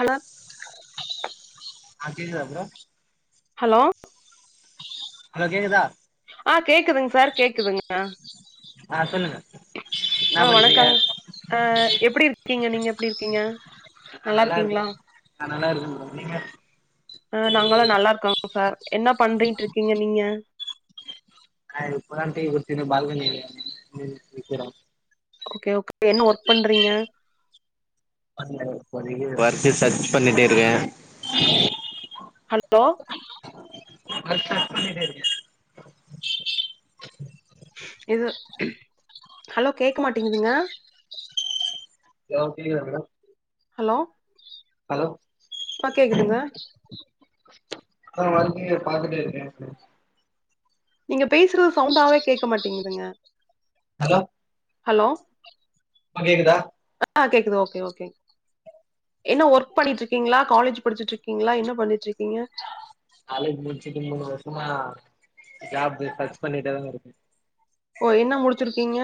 Hello ஆ கேளு அப்றோ ஹலோ ஹலோ கேக்குதா ஆ கேக்குதுங்க சார் கேக்குதுங் ஆ சொல்லுங்க ஆ வணக்கங் ஆ எப்பிடி இருக்கீங்க நீங்க எப்புடி இருக்கீங்க நா நல்லா நல்லாருக்கே இருக்கீங்களா நா நல்லா இருக்கேன் ப்ரோ நீங்க ஆ நாங்கால்லா நல்லா இருக்கோ சார் என்ன பண்றிட்டு இருக்கீங்க நீங்க நா இப்போத்தா டீ குடிச்சினு பால்கனில நின் நிக்குறோ ஓகே ஓகே என்ன ஒர்க் பண்றீங்க பண்ல இப்போதைக்கி வொர்க் சர்ச் பண்ணிட்டு இருக்கே. ஹலோ [unintelligible] இது ஹலோ கேக்க மாட்டேங்குதுங்க ஹலோ கேட்குதா மேடம் ஹலோ ஹலோ ஆ கேக்குதுங்க ஆ வந்து பாத்துட்டே இருக்கே சரி நீங்க பேசுறது சவுண்டாவே கேக்க மாட்டேங்குதுங்க ஹலோ ஹலோ இப்போ கேக்குதா ஆ கேக்குது ஓக்கே ஓக்கே என்ன ஒர்க் பண்ணிட்ருக்கீங்களா காலேஜ் படிச்சிட்ருக்கீங்களா என்ன பண்ணிட்ருக்கீங்க காலேஜ் முடிச்சுட்டு மூணு வருசமா ஜாபு சர்ச் பண்ணிட்டே தா இருக் ஓ என்ன முடிச்சிருக்கீங்க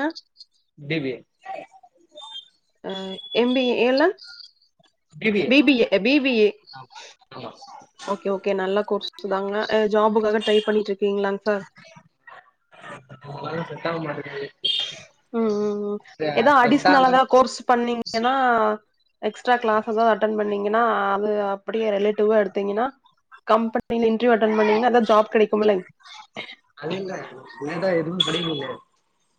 பி பி ஏ அ எம் பி ஏ எல் அ பி பி ஏ அ ஆமா ஓக்கே ஓக்கே நல்ல கோர்ஸ் தாங்க ஆ ஜாபுக்காக ட்ரை பண்ணிட்ருக்கீங்களா சார் ஒன்னு செட்டாவ மாட்டேக்குது ம் ம் ம் ஏதா அடிஷ்னல்லதா கோர்ஸ் பண்ணீங் ஏன்னா எக்ஸ்ட்ரா கிளாஸ் எதா அட்டென் பண்ணீங்கன்னா அது அப்டியே ரிலேட்டிவா எடுத் திங்னா கம்பெனில இன்ட்ரிவ் அட்டென் பண்ணீங்க எதா ஜாப் கெடைக்கு இல்லங் அது இல்ல நாந்தா எதுவு படிக்களையே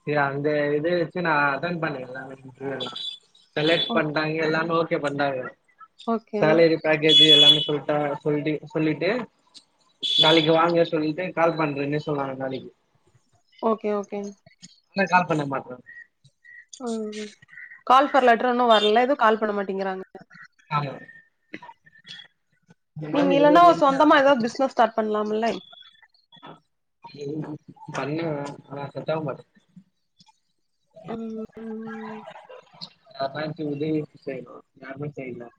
து அந்த இத வச்சு நா அட்டன் பண்ண எல்லாமே ம் செலக்ட் பண்டாங்க எல்லாமே ஓக்கே பண்றாங்க ஓகே சேலரி பேக்கேஜு எல்லாமே சொல்ட்டா சொல்லி சொல்லிட்டு நாளைக்கு வாங்க சொல்லிட்டு கால் பண்றேன்னு சொன்னாங்க நாளைக்கு ஓக்கே ஓக்கேங் என்ன கால் பண்ண மாட்ற ம் கால் ஃபார் லெட்டர் ஒன்னு வரல ஏதோ கால் பண்ண மாட்டேங்றாங்க ஆமா நீங்க இல்லன்னா ஒரு சொந்தமா ஏதாவது பிசினஸ் ஸ்டார்ட் பண்ணலாம்லங் என்ன ஆ பண்ணுவ ஆனா செட்டாவ மாட்டுது ம் ம் யார்னா எஞ்சி உதவி செய்ணு யாருமே செய்யில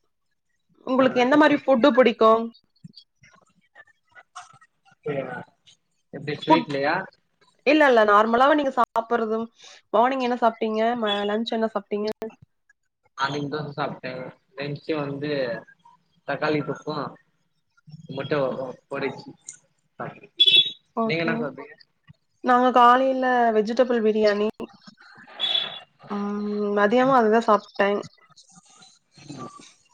உங்களுக்கு எந்த மாரி ஃபுட்டு புடிக்கு [unintelligible] எப்டி ஃபுட் ஸ்வீட்லயா இல்ல இல்ல நார்மலாவே நீங்க சாப்புடுறது மார்னிங் என்ன சாப்ட்டீங்க ம லஞ்ச் என்ன சாப்ட்டீங்க மார்னிங் தோச சாப்ட்டே லஞ்ச் வந்து தக்காளி தொக்கு முட்ட [unintelligible] ஓடிச்சி சாப்டே ஓக்கே நாங்க காலையில வெஜிடேபிள் பிரியாணி ஆ மதியமு அதுதா சாப்ட்டே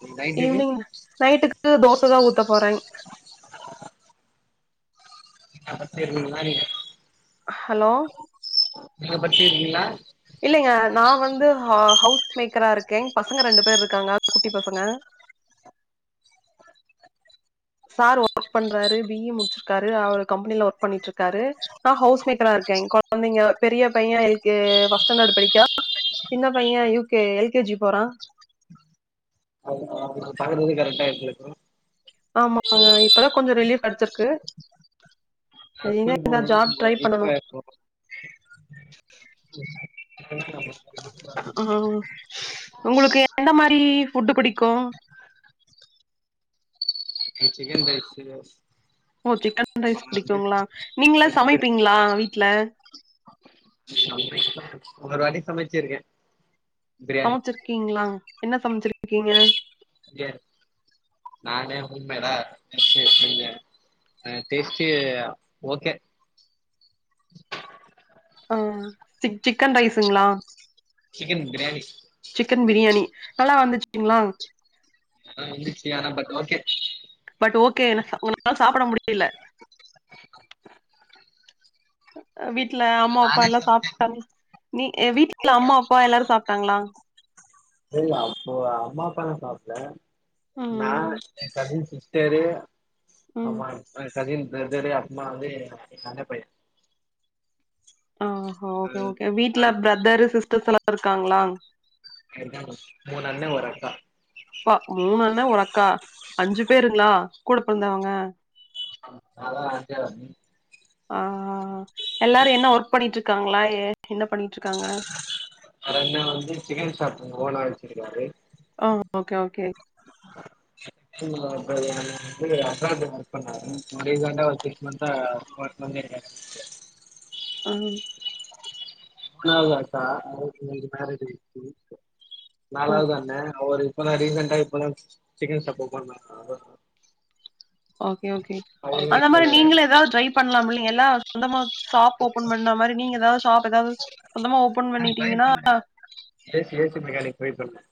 ம் நைட்டுக்கு ஈவினிங் நைட்டுக்கு [inaudible] தோச தா ஊத்த போறங் அப்ப தெர்லீங்ளா நீ ஹலோ நீங்க படிச்சிர்க்கிங்ளா இல்லேங்க நா வந்து ஹ ஹவுஸ் மேக்கரா இருக்கே பசங்க ரெண்டு பேர் இருக்காங்க குட்டி பசங்க சார் ஒர்க் பண்றாரு பி இ முடிச்சிருக்காரு அவரு கம்பெனில ஒர்க் பண்ணிட்ருக்காரு நா ஹவுஸ் மேக்கரா இருக்கேங் கொழந்தைங்க பெரிய பைய எல் கே ஃபர்ஸ்டாண்டர்ட் படிக்றா சின்ன பைய U K L K G போறா [inaudible] அது பாக்றதேக்கே கரெக்டா இருக்கும் ஆமாங்க இப்பதா கொஞ்சோ ரிலீஃப் கடச்சிருக்கு நா ஸ்கூல் போமோதுலா ஜாப் நம்போ ட்ரை பண்ணணும். வீக்காயிருப்போம் [inaudible] உங்குளுக்கு எந்த மாரி ஃபுட்டு புடிக்கும் இச்சிக்கன் ரைஸ் [unintelligible] ஓ சிக்கன் ரைஸ் புடிக்குங்ளா நீங்ளா சமைப்பீங்ளா வீட்ல சமைப்ப ஒரு வாட்டி சமச்சிருக்க சமச்சுருக்கீங்ளா என்ன சமச்சுருக்கீங்க எஸ் நானே ஹோம் மேடா டிஷ்ஷஸ் செய்வ அ டெஸ்ட்டு ஓகே அ சிக் சிக்கன் ரைஸுங்ளா சிக்கன் பிரியாணிஸ் சிக்கன் பிரியாணி நல்லா வந்துச்சுங்ளா ஆ வந்துச்சியானா பட் ஓகே பட் ஓகே [inaudible] உங்ளால சாப்ட முடியில வீட்ல அம்மா அப்பா எல்லா சாப்ட்டாங்க நீ என் வீட்ல அம்மா அப்பா எல்லாரும் சாப்ட்டாங்ளா சரி அப்போ அம்மா அப்பாலா சாப்ல நா ம், என் கசின் சிஸ்டரு ம். ஆமா என் கசின் பிரதரு அப்மா வந்து என் அண்ண பைய ஓ ஒ ஓகே ஓகே வீட்ல பிரதரு சிஸ்டர்ஸ்ல்லா [inaudible] இருக்காங்ளா இருக்காங்க மூண் அண்ண ஒரு அக்கா பா மூண் அண்ண ஒரு அக்கா அஞ்சு பேருங்ளா கூட பெறந்தவங்க அ நா தா அஞ்சரம் ஆ எல்லாரு என்ன ஒர்க் பண்ணிட்ருக்காங்ளா என்ன பண்ணிட்ருக்காங்க அர அண்ண வந்து சிக்கன் ஷாப்பு ஓனா வச்சுருக்காரு அ okay okay two wheeler [unintelligible] advance book பண்ணாரு ரீசண்டா சிக்ஸ் மந்த்தா ஒர்க் பண்ணியிருக்க [inaudible] ம் மூணாவ்து அக்கா அவுளுக்கு மேரேஜ் ஆய்ச்சு நாலாவ்து ஓகே, அண்ணே அவரு இப்ப தா ரீசன்டா இப்ப தா சிக்கன் ஷாப் ஓப்பன் பண்ண [inaudible] ஓகே ஓகே அந்த மாரி நீங்களு எதாவ்து ட்ரை பண்லாம்ல எல்லா சொந்தமா ஷாப் ஓப்பன் பண்ண மாரி நீங்க எதாவ்து ஷாப் எதாவ்து சொந்தமா ஓப்பன் பண்ணிட்டீங்கன்னா A C A C mechanic try பண்ணு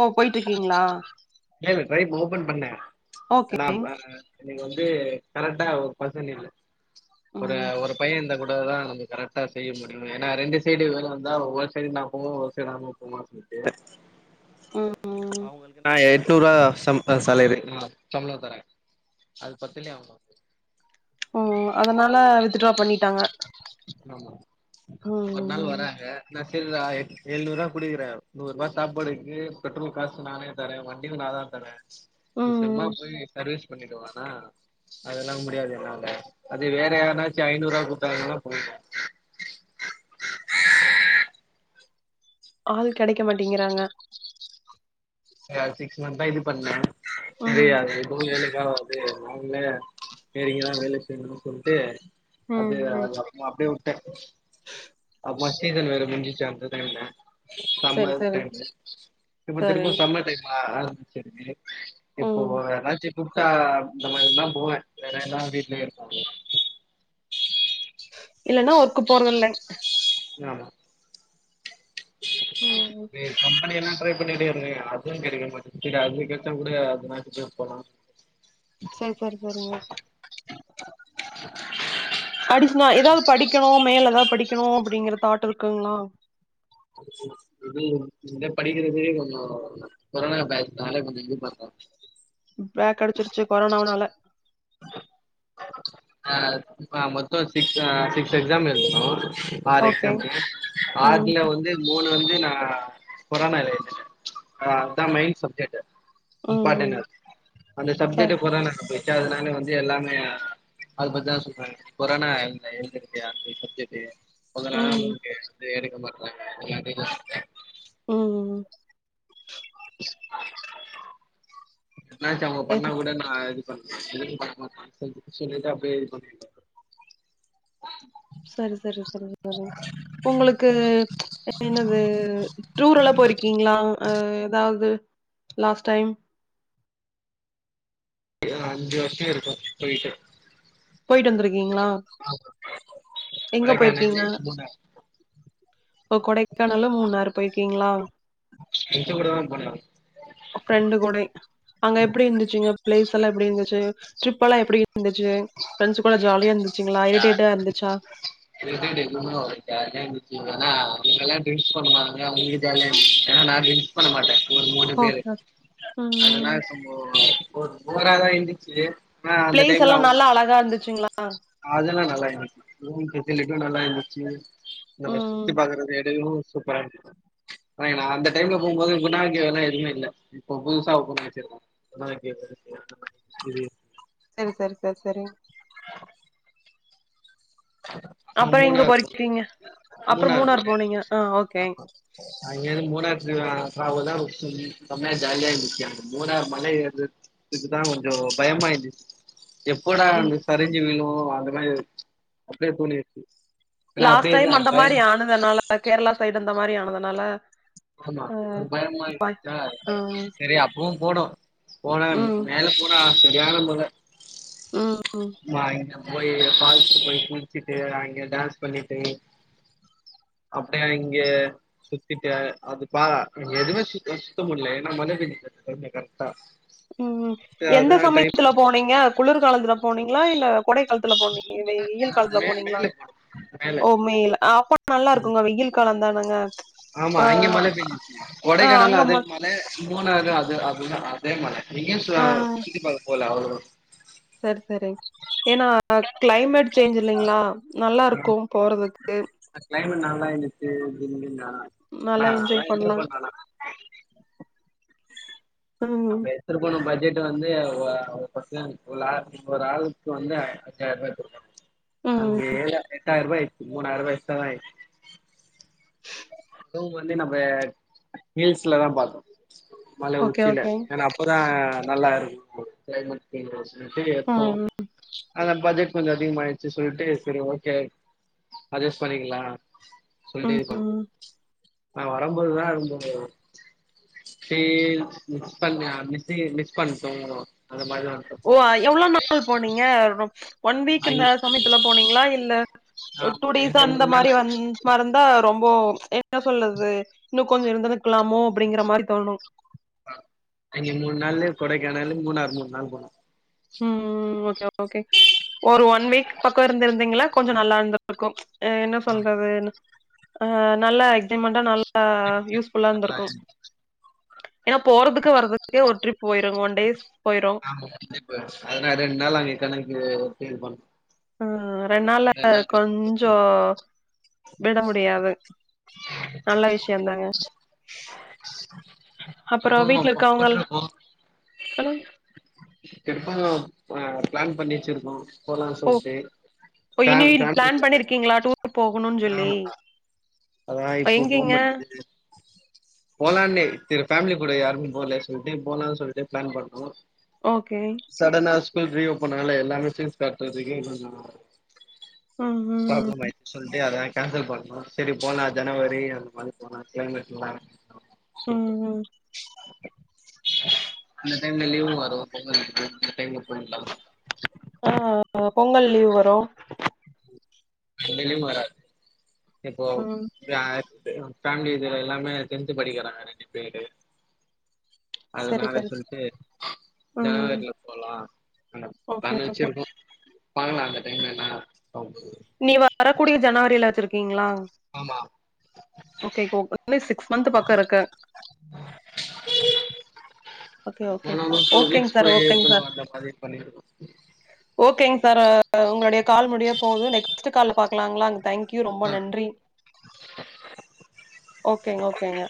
ஓ போயிட்டு இருக்கீங்களா இல்ல இ ரைப் ஓப்பன் பண்ணே ஓகே நாம்ப நீங்க வந்து கரெக்டா ஒரு பசன் இல் ஒரு ம். ஒரு பைய இந்த கூட தா நம கரெக்டா செய்ய முடியு ஏனா ரெண்டு சைடு வேல வந்தா ஒரு சைடு நா போவ ஒரு சைடு அவ போவா ம், ம். அவுங்களுக்கு நா எ தூறுவா சம்பா சாலரி சம்பள தர அது பத்திலயாம ம் ம் அதனால வித்ட்ரா பண்ணிட்டாங்க ம் ம் ம் நா சரிறா எழுநூறுபா குடுக்குறே நூறு ரூபா சாப்பாடுக்கு பெட்ரோல் காசு நானே தரே வண்டியு நா தா தரே சும்மா ம். போய் சர்வீஸ் பண்ணிடுவா எனா அதெல்லா முடியாது என்னால அது வேறயாருனாச்சு ஐநூறுவா குடுத்தாங்கன்னா போம் ஆள் கெடைக்க மாட்டேங்கிறாங்க து சிக்ஸ் மந்த் தா இது பண்ணே ம், தெரியாது ஒவ்வொ வேலைக்கா வந்து வாங்கல செரிங்கல்லா வேல செய்யணும்னு சொல்லிட்டு அது ம், ம். அது அப்புமா அப்டியே வுட்டே சீசன் வேற முஞ்சிச்சா அந்த டைம்ல சரி, சரி. சம்மர்டைம்ல இப்ப தெர் சரி சம்மர் டைமா ஆ சரி ம் இப்போனாச்சு கூப்ட்டா இந்த மாரில்லா போவே வேற எதா வீடலய இருப்போ இல்லன்னா ஒர்க் போறதில்ல ஆமா ம் மே க்கம் நானு எல்லா ட்ரை பண்ணிட் டேங்க அதுவு கிடைக்க மாட்டுது அது கச்சா கூட மாட்டு போலா சேரி சேரி சேரிங்க அடிஸ்னா ஏதாது படிக்கணு மேல ஏதா படிக்கணு அப்டிங்கிற தாட்ருக்குங்களா இது இந்த படிக்கிறது கொஞ்சோ கொரோனா பேஜ்னால கொஞ்சோ இதுபாத்தோ பேக் கடச்சிருச்சு கொரோனாவுனால அ மொத்த சிக்ஸ் அ சிக்ஸ் எக்ஸாம் எழுதுனோ ஆர் ஓகே எக்ஸாம்க்கு ம் ஆர்ல வந்து மூணு வந்து நா கொரோனாலே எழுதுன அதா மெயின் சப்ஜேட்டு ம் ம் இம்பார்டனு அந்த சப்ஜேட்டு சரி கொரோனா சப்ஜேட்டு அதனால வந்து எல்லாமே அது பாத்திதா சொல்ற கொரோனா எழுத எழுதுறதுயா அந்த சப்ஜேட்டு மொதளா ம் உங்க வந்து ரெஸ்டே எடுக்க மாட்டாங்க இப்பல்ல அப்டி ஆ ம் ம் என்னாச்சு அவுங்க பண்ணா இது கூட நா இது பண்ணமாட்டே சொல்ட்டு அப்டியே இது பண்ணிட சேரி சேரி சேரி சேரி உங்களுக்கு என்னது டூர்ல்லா போயிருக்கீங்களா ஆ ஏதாவது லாஸ்ட் டைம் அஞ்சு வருஷோ இருக்கு போய்ட்டு போய்ட்டு வந்திருக்கீங்களா எங்க கொடைகானலு போயிருக்கீங்க மூனாரு ஓ கொடைக்கானலு மூணாரு போயிருக்கீங்களா ப்ரெண்டு கூடை அங்க எப்டி இருந்துச்சுங்க பிளேஸ் எல்லா எப்டிருந்துச்சு ட்ரிப் எல்லா எப்டிருந்துச்சு பிரரெண்ட்ஸ் கூட ஜாலியா இருந்துச்சுங்களா இரிட்டேடா இருந்துச்சா [unintelligible] ஜாலியா இருந்துச்சுங்க [inaudible] எல்லா பண்ணுவாங்க அவங்களுக்கு ஜாலியா [inaudible] [inaudible] ட்ரிங்க்ஸ் பண்ண மாட்டே ஒரு மூணு பேரு ஓகே, ஓகே. ம், ம். அதனா [inaudible] ஓ ஒரு போராதா இந்துச்சி பிளேஸ்லா நல்லா அழகா இருந்துச்சுங்களா அதெல்லா நல்லா இருந்துச்சி ரூம் ஃபெசிலிடியு நல்லா இருந்துச்சு நம்ம ம். சுத்தி பாக்குறது [unintelligible] சூப்பராந்துச்சு ஆ நா அந்த டைம்ல போம்போது குணாக்கேவ்ல்லா எதுமே இல்ல இப்ப புதுசா ஓபன் பண்ணி வச்சிருக்கா [inaudible] [inaudible] செரி செரி செரி செரி [inaudible] ஆமா அப்புறம் எங்க மூணாரு போயிருக்கீங்க? [inaudible] அப்புறம் மூணாரு மூணார் போனே போனீங்க. ஆ ஓகே. ஆமா அங்கேந்து மூணாரு [unintelligible] செம்மையா ஜாலியா இருந்துச்சி அந்த மூணாரு மல ஏறு இதுக்குதா கொஞ்சோ பயமாயிந்துச்சு எப்போடா ம். அந்த சரிஞ்சு விழு அந்த மாதிரி அப்டியே போனே லாஸ்ட் டைம் அந்த மாரி ஆனதுனால கேரளா சைடு அந்த மாரி ஆனதுனால ஆமா அ, பயமா இருன்ச்சா ஆ. சரி அப்பவு போனோ போனே ம், மேல போனா சரியான மழ ம் [unintelligible] அங்க போயி ஃபால்ஸ் போயி குளிச்சிட்டு அங்க டான்ஸ் பண்ணிட்டு அப்டியா இங்க சுத்திட்டே அது பா எதுமே சு சுத்த முடில ஏன்னா மழ பெஞ்சு கொஞ்சோ கரெட்டா ம் ம் எந்த சமயத்துல போனீங்க குளிர்காலத்துல போனீங்களா இல்ல கோடை காலத்துல போனீங்களா வெயில் காலத்துல போனீங்களா ஓ [unintelligible] நல்லா இருக்குங்க வெயில் காலந்தானங்க ஆமா அங்க மழ பேஞ்சிச்சி ஆ அங்க கொடைக்கானல்ல அதே மட் மழ மூணாறுலயு அது [unintelligible] ஆ [unintelligible] சுத்தி பாக்க போல [unintelligible] சேரி சேரி ஏன்னா க்ளைமட் சேஞ்ச் இல்லைங்க்ளா நல்லா இருக்கு போறதுக்கு க்ளைமேட் நல்லா இருந்துச்சிங்களா ஆ நல்லா அதா என்ஜாய் என்ன பண்லா பண்ணானா [inaudible] ம் திருபுவனோ பட்ஜெட் வந்து ஒ ஆ ஒரு ஆ ஒரு ஆளு ம் [unintelligible] எட்டாயிரூவா [unintelligible] மூணாயிரூவா இங்க வந்து நம்ப ஹில்ஸ்லதா பாத்தோ மல ஓகே உச்சில ஓகே ஏனா அப்பறோ நல்லா இருக்கு க்ளைமேட் ம் [unintelligible] அதா பட்ஜெட் கொஞ்சோ அதிகமா ஆயிடுச்சு சொல்லிட்டு சேரி ஓகே அட்ஜஸ்ட் பண்ணிக்கலா சொல்லிட்டே [unintelligible] நா வரம்போதுதா [unintelligible] ஃபீல் மிஸ் பண்ணியா மிக்ஸ் மிஸ் பண்ணிட்டோ அந்த மாரிதா இருக்கு ப்பா எவ்ளோ நாள் போனீங்க ஒன் வீக் இந்த சமயத்துல போனீங்க்ளா இல்ல ஓ டூ டேஸ் அந்த மாரி வந் மறந்தா ரொம்போ என்ன சொல்றது இன்னு கொஞ்சோ இருந்திருக்கலாமோ அப்டிங்கிற மாரி தோணு இங்க மூணு நாள்லயே கொடைக்கானலு மூணாறு மூணு நாளு போனோ ம் ம் ஓகே ஓகே ஒரு ஒன் வீக் பக்கோ இருந்துருந்தீங்களா கொஞ்சோ நல்லா இருந்து ருக்கு என்ன சொல்றது ஆ நல்லா எக்கியூமெண்ட்டா நல்லா ஆ யூஸ்ஃபுல்லா இருந்திருக்கு ஏனா போறதுக்கு வரதுக்கே ஒரு ட்ரிப் போயிரு ஒன் டேஸ் போயிரு அதனா ரெண்டு நாள்ல நீ கணக்கு கிளீர் பண்ணு ஆ ரெண்டு நாள்ல கொஞ்சோ விட முடியாது நல்ல விஷ்யந் தாங்க அப்பறோ வீட்ல இருக்கவங்கல்ல ஹலோ திருப்பு பிளான் பண்ணி வெச்சுருக்கோ போலான் ஓ சொல்ட்டு ஓ இனி பிளான் பண்ணிருக்கீங்களா டூர் போகணுன்னு [unintelligible] சொல்லி ஆமாகா அதா இப்ப போ எங்கெங்க மாட்டது போலான்னு செரி பேமிலி கூட யாருமே போகலையே சொல்லுட்டு போலான் சொல்லுட்டு பிளான் பண்ணோ ஓகே சடனா ஸ்கூல் ரீ ஓபனால எல்லாமே பீஸ் கட்றதுக்கு ம் ம் ப்ராப்ளம் ஆயிச்சு சொல்லுட்டு அத கேன்சல் பண்ணோ செரி போலா ஜனவரி அந்த மாரி போலா கிளைமேட்லா சூப்பர் ம் ம் அந்த டைம்ல லீவ்வு வரு பொங்கல் அந்த டைம்ல போயில்லா ஆ பொங்கல் லீவ் வரு எந்த லீவு வராது இப்போ ம் [unintelligible] ஃபேமிலி கிற எல்லாமே டென்த்து படிக்கிறாங்க ரெண்டு பேரு சரி அதனாலே சரி சொல்லுட்டு ம் ஜனவரில போலா அந்த ஓகே பிளான் ஓகே வெச்சுருக்கோ பாக்கலா அந்த டைம்லனா இனி வரக்கூடிய ஜனவரில வெச்சிருக்கீங்ளா ஆமா ஓகே சிக்ஸ் மந்த் பக்கோ இருக்கு ஓகே [inaudible] ஓகே போன மாசோ ஓகேங் வீக்ஸ் சார் போயி ஓகேங் சார் எத்துனு வந்த மாரி பண்ணிருக்கோ ஓகேங் சார் உங்களுடைய கால் முடியா போது நெக்ஸ்ட் கால்ல பாக்கலாங்ளா தேங்க்யூ ரொம்ப நன்றி ஓகேங்க ஓகேங்க